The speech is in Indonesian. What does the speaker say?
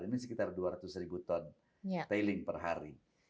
ini sekitar dua ratus ribu ton tailing per hari